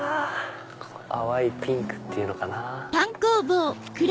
淡いピンクっていうのかな。